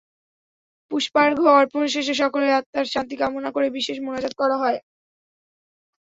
পুষ্পার্ঘ্য অর্পণ শেষে সকলের আত্মার শান্তি কামনা করে বিশেষ মোনাজাত করা হয়।